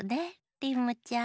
リムちゃん。